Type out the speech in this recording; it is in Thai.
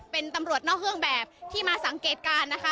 เป็นตำรวจนอกเครื่องแบบที่มาสังเกตการณ์นะคะ